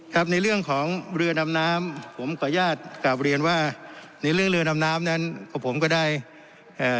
ครับในเรื่องของเรือดำน้ำผมขออนุญาตกลับเรียนว่าในเรื่องเรือดำน้ำนั้นกับผมก็ได้เอ่อ